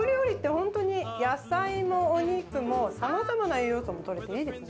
本当に、野菜もお肉も、さまざまな栄養素もとれていいですね。